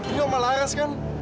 ini om malhares kan